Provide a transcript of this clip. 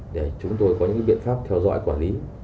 để chúng tôi có những biện pháp theo dõi quản lý